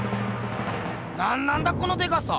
なんなんだこのでかさ！